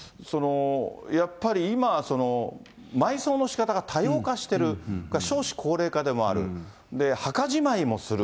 やっぱり今、埋葬のしかたが多様化してる、それから少子高齢化でもある、墓じまいもする。